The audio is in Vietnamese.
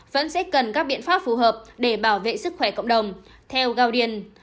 vẫn sẽ cần các biện pháp phù hợp để bảo vệ sức khỏe cộng đồng theo goodian